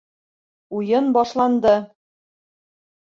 Уйын башланды.